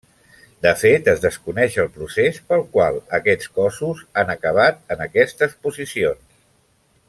De fet es desconeix el procés pel qual aquests cossos han acabat en aquestes posicions.